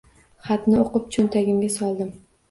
Xatni o‘qib cho‘ntagimga soldim.